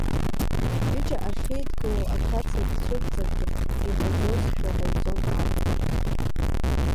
Ҩыџьа ахьеидгылоу аҭаца дцәырҵыргьы, имбаӡозшәа ҟаиҵон абхәа.